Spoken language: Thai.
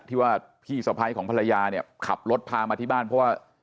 ที่ว่าพี่สะพ้ายของภรรยาเนี่ยขับรถพามาที่บ้านเพราะว่า